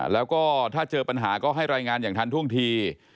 แล้วก็ถ้าเจอปัญหาก็ให้รายงานอย่างทันท่วงที